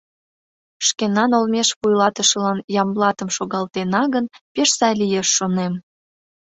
Шкенан олмеш вуйлатышылан Ямблатым шогалтена гын, пеш сай лиеш, шонем.